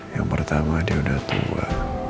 yang pertama dia udah tua